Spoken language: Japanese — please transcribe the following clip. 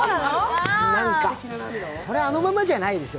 そりゃ、あのままじゃないですよ。